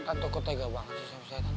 tante kok tega banget sih sampe saya tante